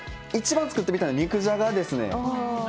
一番作ってみたいのは肉じゃがですね。